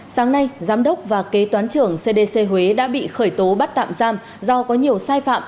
sáng nay giám đốc và kế toán trưởng cdc huế đã bị khởi tố bắt tạm giam do có nhiều sai phạm